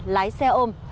lái xe ôm